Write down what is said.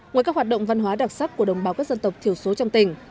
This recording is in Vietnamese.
ngoài các hoạt động văn hóa đặc sắc của đồng bào các dân tộc thiểu số trong tỉnh